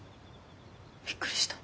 びっくりした。